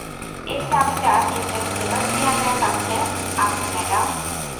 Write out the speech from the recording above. এর চাবিটা মিঃ সেবাস্টিয়ানের কাছে আছে, ম্যাডাম।